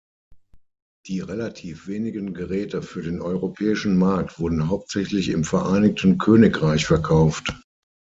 Die relativ wenigen Geräte für den europäischen Markt wurden hauptsächlich im Vereinigten Königreich verkauft.